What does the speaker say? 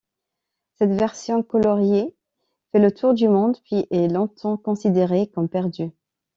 Cette version coloriée fait le tour du monde, puis est longtemps considérée comme perdue.